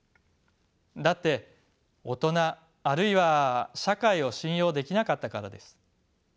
だって大人あるいは社会を信用できなかったからです。